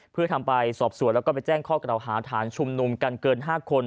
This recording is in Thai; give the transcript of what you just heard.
เพื่อทำไปสอบสวนแล้วก็ไปแจ้งข้อกล่าวหาฐานชุมนุมกันเกิน๕คน